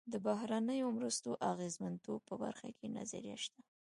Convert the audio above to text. د بهرنیو مرستو د اغېزمنتوب په برخه کې نظریه شته.